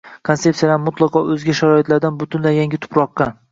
konsepsiyalarni mutloqo o‘zga sharoitlardan butunlay yangi “tuproqqa”